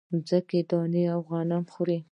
مځکه دانې د غنم خوري